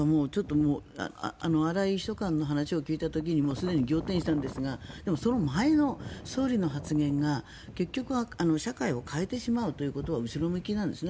荒井秘書官の話を聞いた時にすでに仰天したんですがでもその前の、総理の発言が結局社会を変えてしまうということは後ろ向きなんですよね。